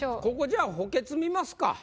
ここじゃあ補欠見ますか。